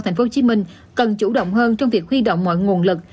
thành phố hồ chí minh cần chủ động hơn trong việc huy động mọi nguồn lực